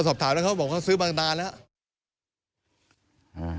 สอบถามแล้วเขาบอกเขาซื้อมานานแล้ว